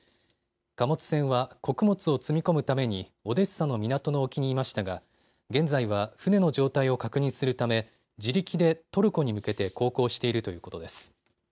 貨物船は穀物を積み込むためにオデッサの港の沖にいましたが、現在は船の状態を確認するため自力でトルコに向けて航行しているということです。